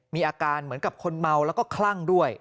มีอาการเหมือนกับคนเมาแล้วก็คลั่งด้วย